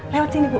lewat sini bu